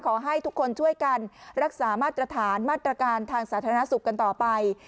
ขอให้ทุกคนช่วยกันรักษามาตรฐานมาตรการทางสาธารณสุขกันต่อไป